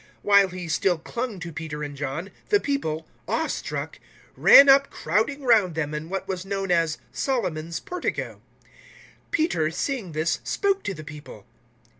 003:011 While he still clung to Peter and John, the people, awe struck, ran up crowding round them in what was known as Solomon's Portico. 003:012 Peter, seeing this, spoke to the people.